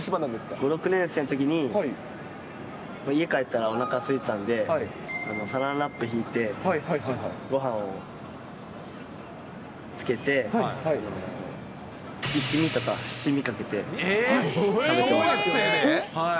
５、６年生のときに、家帰ったらおなかすいてたんで、サランラップひいて、ごはんをつけて、一味とか七味かけて食べてました。